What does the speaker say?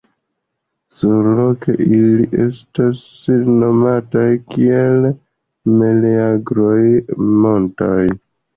Surloke ili estas nomataj kiel meleagroj “montaj”.